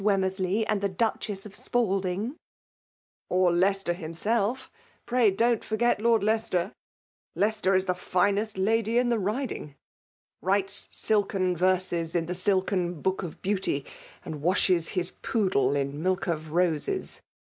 Wemmersley and the Duchess of Spalding/' "Or Leicester, himself; pray don't forget Lord Leicester — ^Leicester is the finest lady in the Biding — ^writes silken verses in the silken fiodk «£ Beaaly — Mid waabtti his poodle k mqir of £0068.